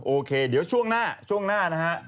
โอเคเดี๋ยวช่วงหน้าช่วงหน้านะฮะ